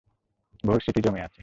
বহু স্মৃতি জমে আছে।